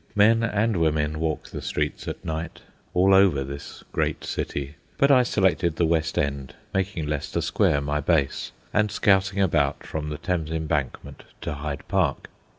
Men and women walk the streets at night all over this great city, but I selected the West End, making Leicester Square my base, and scouting about from the Thames Embankment to Hyde Park.